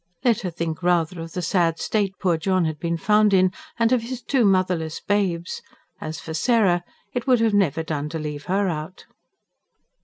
Let her think rather of the sad state poor John had been found in, and of his two motherless babes. As for Sarah, it would never have done to leave her out.